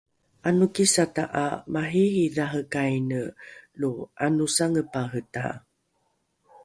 ’anokisata ’a mariiridharekaine lo ’anosangepareta?